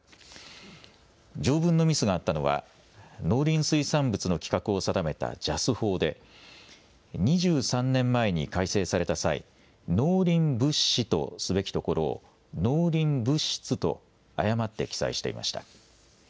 条文のミスがあったのは農林水産物の規格を定めたＪＡＳ法で、２３年前に改正された際、農林物資とすべきところを農林物質と誤って記載していました。